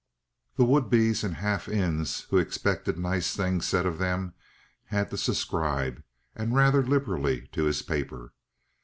The would be's and half in's who expected nice things said of them had to subscribe, and rather liberally, to his paper.